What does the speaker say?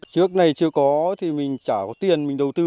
trước này chưa có thì mình trả có tiền mình đầu tư